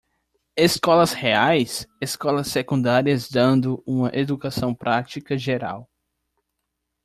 Escolas reais? escolas secundárias dando uma educação prática geral